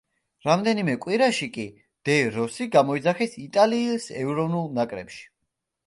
რამდენიმე კვირაში კი დე როსი გამოიძახეს იტალიის ეროვნულ ნაკრებში.